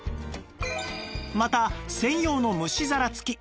また専用の蒸し皿付き